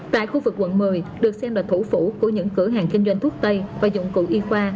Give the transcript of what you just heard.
tại khu vực quận một mươi được xem là thủ phủ của những cửa hàng kinh doanh thuốc tây và dụng cụ y khoa